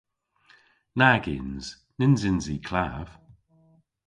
Nag yns. Nyns yns i klav.